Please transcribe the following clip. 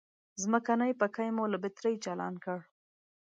ځمکنی پکی مو له بترۍ چالان کړ.